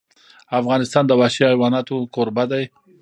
افغانستان د وحشي حیوانات کوربه دی.